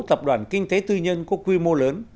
tập đoàn kinh tế tư nhân có quy mô lớn